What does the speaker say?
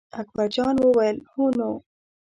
اکبر جان وویل: هو نو.